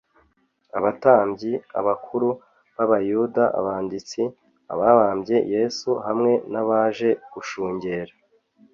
abatambyi, abakuru b’abayuda, abanditsi, ababambye yesu, hamwe n’abaje gushungera